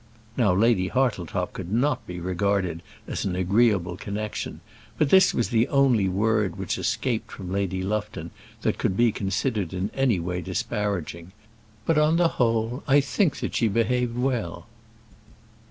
Now Lady Hartletop could not be regarded as an agreeable connection, but this was the only word which escaped from Lady Lufton that could be considered in any way disparaging, and, on the whole, I think that she behaved well.